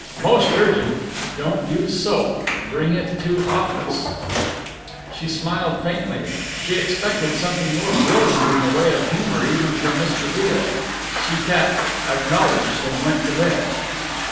"Most urgent: Don't use soap. Bring it to office." She smiled faintly. She expected something more brilliant in the way of humour even from Mr. Beale. She tapped "acknowledged" and went to bed.